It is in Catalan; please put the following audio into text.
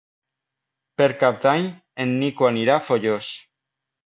Per Cap d'Any en Nico anirà a Foios.